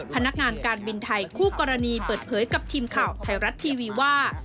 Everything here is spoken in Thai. พนักงานการบินไทยคู่กรณีเปิดเผยกับทีมข่าวไทยรัฐทีวีว่า